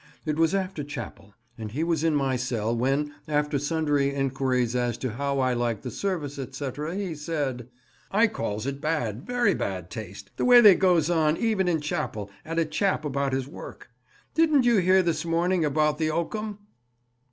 It was after chapel, and he was in my cell, when, after sundry enquiries as to how I liked the service, etc., he said— "I calls it bad, very bad taste, the way they goes on, even in chapel, at a chap about his work. Didn't you hear this morning about the oakum?"